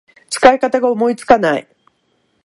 使い方が思いつかない